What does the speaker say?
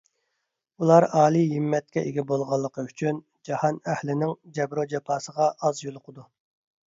ئۇلار ئالىي ھىممەتكە ئىگە بولغانلىقى ئۈچۈن، جاھان ئەھلىنىڭ جەبرۇ جاپاسىغا ئاز يولۇقىدۇ.